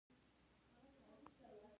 مرکه یوازې په خندا نه بشپړیږي.